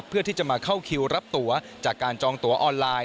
เพื่อที่จะมาเข้าคิวรับตัวจากการจองตัวออนไลน์